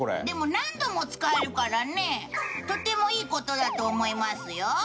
でも何度も使えるからねとてもいい事だと思いますよ。